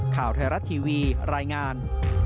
ข่าวไทยรัฐทีวีรายงาน